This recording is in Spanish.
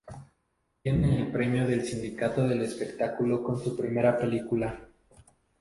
Obtiene el premio del Sindicato del Espectáculo con su primera película.